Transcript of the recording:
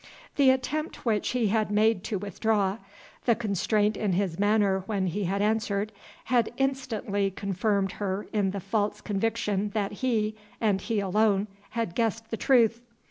The attempt which he had made to withdraw, the constraint in his manner when he had answered, had instantly confirmed her in the false conviction that he, and he alone, had guessed the truth!